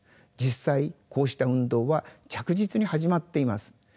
実際こうした運動は着実に始まっています。